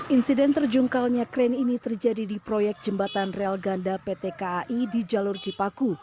insiden terjungkalnya kren ini terjadi di proyek jembatan rel ganda pt kai di jalur cipaku